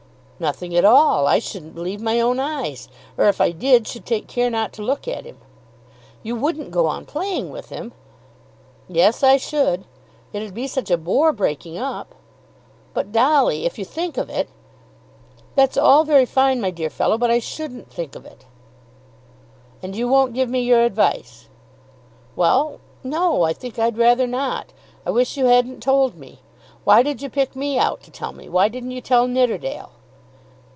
"Nothing at all. I shouldn't believe my own eyes. Or if I did, should take care not to look at him." "You wouldn't go on playing with him?" "Yes I should. It'd be such a bore breaking up." "But Dolly, if you think of it!" "That's all very fine, my dear fellow, but I shouldn't think of it." "And you won't give me your advice." "Well; no; I think I'd rather not. I wish you hadn't told me. Why did you pick me out to tell me? Why didn't you tell Nidderdale?"